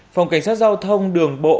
phòng cảnh sát giao thông đường bộ